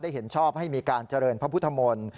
เห็นชอบให้มีการเจริญพระพุทธมนตร์